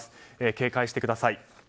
警戒してください。